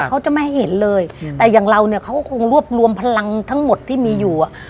เขาจะไม่ให้เห็นเลยแต่อย่างเราเนี่ยเขาก็คงรวบรวมพลังทั้งหมดที่มีอยู่อ่ะ